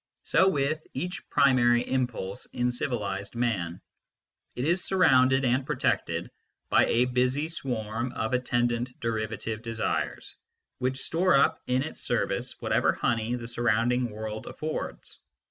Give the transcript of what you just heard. So with each primary impulse in civilised man : it is surrounded and protected by a busy swarm of attendant derivative desires, which store up in its service whatever honey the surrounding world affords.